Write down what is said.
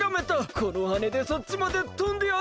このはねでそっちまでとんでやる！